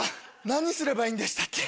何すればいいんでしたっけ？